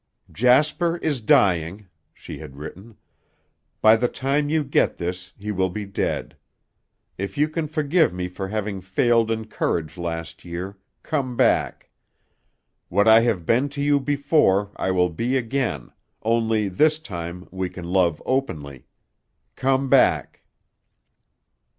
"Jasper is dying," she had written. "By the time you get this, he will be dead. If you can forgive me for having failed in courage last year, come back. What I have been to you before I will be again, only, this time we can love openly. Come back."